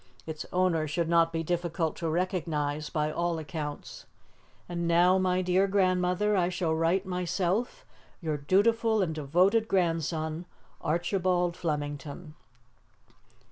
Its owner should not be difficult to recognize, by all accounts. And now, my dear grandmother, I shall write myself "Your dutiful and devoted grandson, "ARCHIBALD FLEMINGTON."